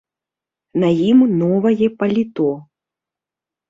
На ім новае паліто.